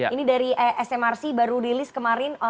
ini dari smrc baru di list kemarin